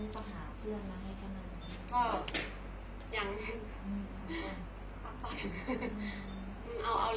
แต่ห่ะสงสัญเขานะ